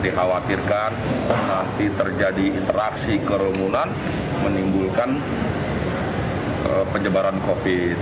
dikhawatirkan pasti terjadi interaksi kerumunan menimbulkan penyebaran covid sembilan belas